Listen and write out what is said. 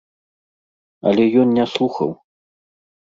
Але ён не слухаў.